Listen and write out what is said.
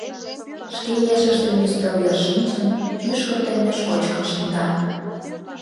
Шке ешыж дене ӱстел йыр шинчын, мӱшкыр теммеш кочкын шында.